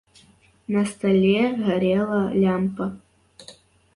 На стале гарэла лямпа.